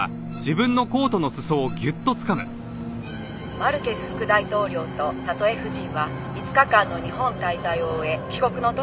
「マルケス副大統領とサトエ夫人は５日間の日本滞在を終え帰国の途に就きました」